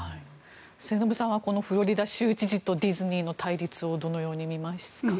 末延さんはこのフロリダ州知事とディズニーの対立をどのように見ますか？